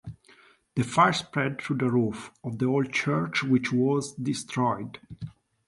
The fire spread to the roof of the old church which was destroyed.